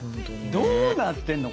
どうなってんの？